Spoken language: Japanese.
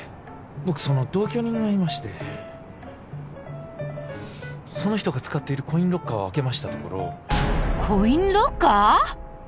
僕その同居人がいましてその人が使っているコインロッカーを開けましたところコインロッカー！？